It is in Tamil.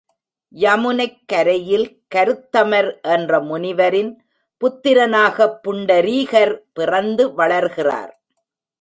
யமுனைக் கரையில் கருத்தமர் என்ற முனிவரின் புத்திரனாகப் புண்டரீகர் பிறந்து வளர்கிறார்.